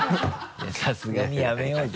さすがにやめようぜ。